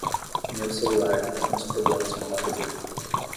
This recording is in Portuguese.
Meu celular tem alguns problemas com a bateria.